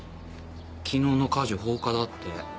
昨日の火事放火だって。